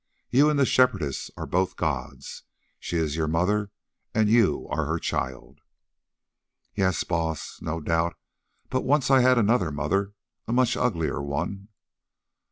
You and the Shepherdess are both gods. She is your mother and you are her child." "Yes, Baas, no doubt; but once I had another mother, a much uglier one."